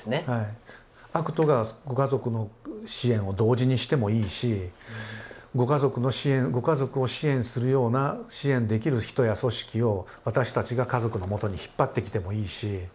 ＡＣＴがご家族の支援を同時にしてもいいしご家族を支援するような支援できる人や組織を私たちが家族のもとに引っ張ってきてもいいし。